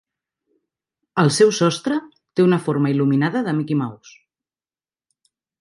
El seu sostre té una forma il·luminada de Mickey Mouse.